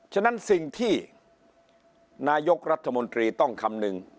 ฉะนั้นสิ่งที่นายกรัฐมนตรีต้องคำนึง